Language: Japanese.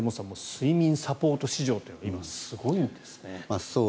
睡眠サポート市場というのが今、すごいんですね。